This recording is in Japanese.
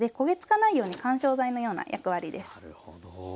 なるほど。